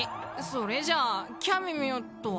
それじゃあキャメミョットは？